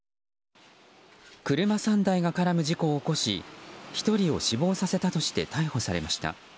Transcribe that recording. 車３台が絡む事故を起こし１人を死亡させたとして逮捕されました。